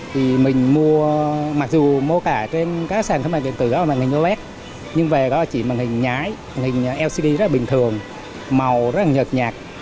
thì mình mua mặc dù mua cả trên các sản phẩm điện tử có màn hình oled nhưng về đó chỉ màn hình nhái màn hình lcd rất là bình thường màu rất là nhợt nhạt